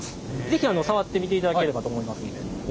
是非あの触ってみていただければと思いますんで。